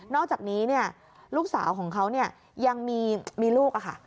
อกจากนี้ลูกสาวของเขายังมีลูกค่ะ